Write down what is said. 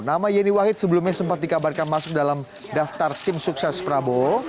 nama yeni wahid sebelumnya sempat dikabarkan masuk dalam daftar tim sukses prabowo